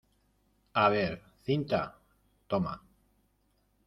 a ver, cinta. toma .